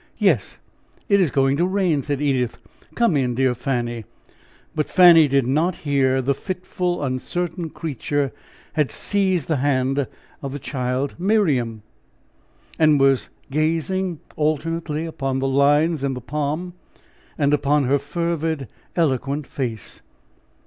"Yes, it is going to rain," said Edith. "Come in, dear Fanny." But Fanny did not hear the fitful, uncertain creature had seized the hand of the child Miriam, and was gazing alternately upon the lines in the palm and upon her fervid, eloquent face.